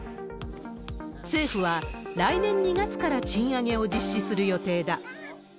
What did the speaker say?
政府は、来年２月から賃上げを実施する予定だ。